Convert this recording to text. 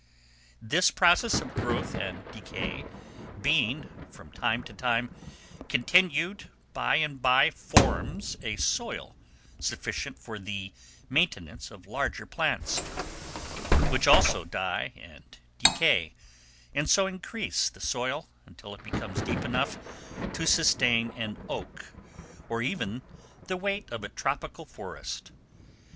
This process of growth and decay, being, from time to time, continued, by and by forms a soil sufficient for the maintenance of larger plants, which also die and decay, and so increase the soil, until it becomes deep enough to sustain an oak, or even the weight of a tropical forest.